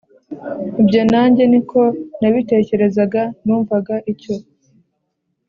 − Ibyo nange ni ko nabitekerezaga numvaga icyo